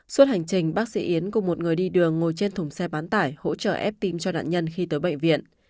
suốt hành trình bác sĩ yến cùng một người đi đường ngồi trên thùng xe bán tải hỗ trợ ép tim cho nạn nhân khi tới bệnh viện